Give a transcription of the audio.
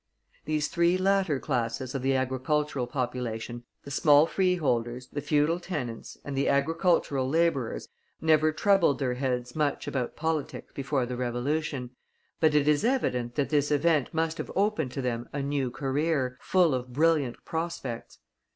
These three latter classes of the agricultural population, the small freeholders, the feudal tenants, and the agricultural laborers, never troubled their heads much about politics before the Revolution, but it is evident that this event must have opened to them a new career, full of brilliant prospects.